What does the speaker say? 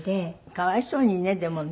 かわいそうにねでもね。